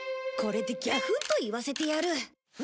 これでギャフンと言わせてやる！